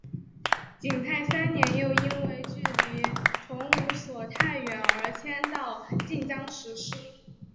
景泰三年又因为距离崇武所太远而迁到晋江石狮。